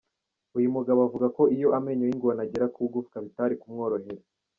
Uyu mugabo avuga ko iyo amenyo y’ingona agera ku igufwa bitari kumworohera.